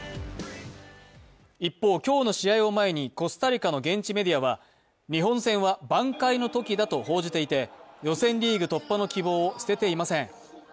一方、今日の試合を前にコスタリカの現地メディアは日本戦は挽回の時だと報じていて予選リーグ突破の希望を捨てていません。